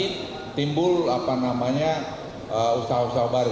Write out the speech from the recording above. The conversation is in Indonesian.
jadi timbul usaha usaha baru